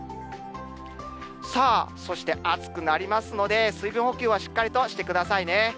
さあ、そして暑くなりますので、水分補給はしっかりとしてくださいね。